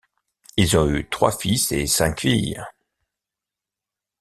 Ils ont eu trois fils et cinq filles.